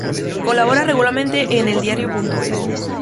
Colabora regularmente en "Eldiario.es".